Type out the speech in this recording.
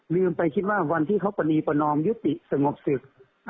ลืมไปคิดว่าวันที่เขาประนีประนอมยุติสงบศึก